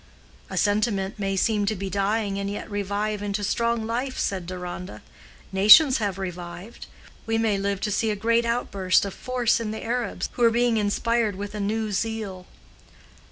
"A sentiment may seem to be dying and yet revive into strong life," said Deronda. "Nations have revived. We may live to see a great outburst of force in the Arabs, who are being inspired with a new zeal."